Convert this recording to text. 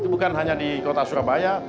bukan hanya di kota surabaya